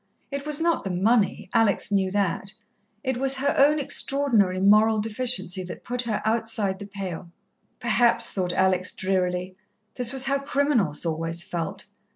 It was not the money, Alex knew that. It was her own extraordinary moral deficiency that put her outside the pale. Perhaps, thought Alex drearily, this was how criminals always felt.